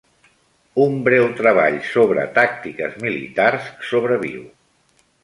Un breu treball sobre tàctiques militars sobreviu.